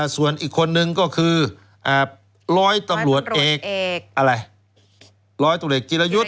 ส่วนอีกคนนึงก็คือล้อยตำลวดเอกล้อยตำลวดเอกอะไร